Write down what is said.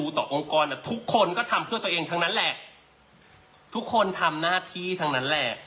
ต่อองค์กรทุกคนก็ทำเพื่อตัวเองทั้งนั้นแหละทุกคนทำหน้าที่ทั้งนั้นแหละ